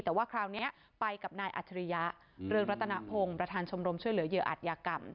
แต่ว่าคราวนี้ไปกับนายอัจฉริยะเรืองรัตนพงศ์ประธานชมรมช่วยเหลือเหยื่ออัตยากรรม